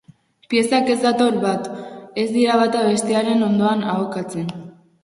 Piezak ez datoz bat, ez dira bata bestearekin ondo ahokatzen.